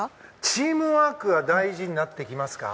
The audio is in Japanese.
チームワークは大事になってきますか。